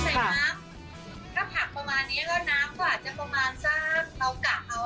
ใส่น้ำถ้าผักประมาณนี้น้ำก็อาจจะประมาณสัก๓แก้ว